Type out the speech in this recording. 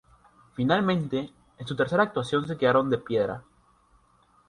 Finalmente, en su tercera actuación se quedaron de piedra.